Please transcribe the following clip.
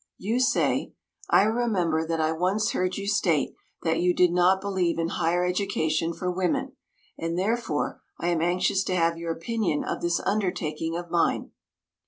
You say, "I remember that I once heard you state that you did not believe in higher education for women, and, therefore, I am anxious to have your opinion of this undertaking of mine."